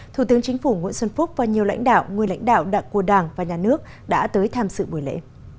thủ tướng chính phủ nguyễn xuân phúc và nhiều lãnh đạo người lãnh đạo đặc của đảng và nhà nước đã tới tham sự buổi lễ